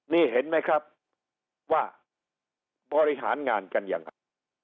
นี่เห็นไหมครับว่าบริหารงานกันยังไง